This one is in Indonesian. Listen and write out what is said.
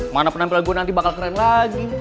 mana penampilan gue nanti bakal keren lagi